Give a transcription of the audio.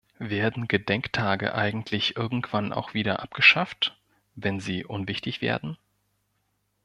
Werden Gedenktage eigentlich irgendwann auch wieder abgeschafft, wenn sie unwichtig werden?